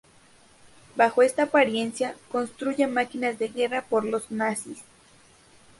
Bajo esta apariencia, construye máquinas de guerra por los nazis.